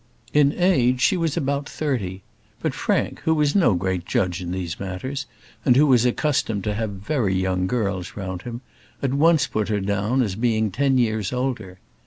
In age she was about thirty; but Frank, who was no great judge in these matters, and who was accustomed to have very young girls round him, at once put her down as being ten years older.